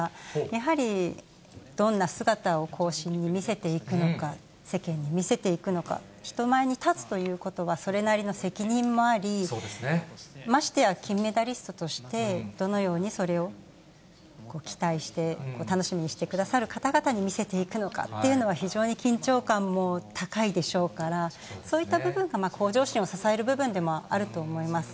やはりどんな姿を後進に見せていくのか、世間に見せていくのか、人前に立つということはそれなりの責任もあり、ましてや、金メダリストとして、どのようにそれを期待して、楽しみにしてくださる方々に見せていくのかっていうのは、非常に緊張感も高いでしょうから、そういった部分が、向上心を支える部分でもあると思います。